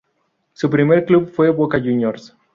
Su primer club fue Boca Juniors.